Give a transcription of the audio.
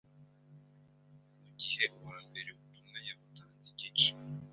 mu gihe uwambere ubutumwa yabutanze igice.